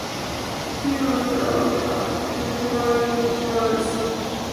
He runs off and Barry follows.